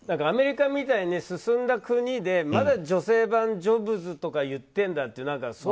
アメリカみたいに進んだ国でまだ女性版ジョブズとか言ってるんだって。